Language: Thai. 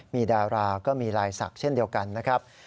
มีดาราก็มีลายศักดิ์เช่นเดียวกันนะครับ